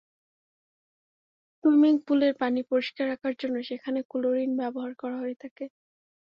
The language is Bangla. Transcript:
সুইমিং পুলের পানি পরিষ্কার রাখার জন্য সেখানে ক্লোরিন ব্যবহার করা হয়ে থাকে।